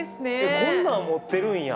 こんなん持ってるんや。